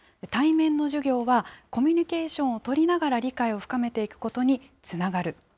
対面の授業は、コミュニケーションを取りながら理解を深めていくことにつながる。